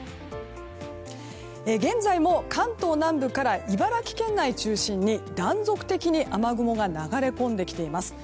現在も関東南部から茨城県内中心に断続的に雨雲が流れ込んできています。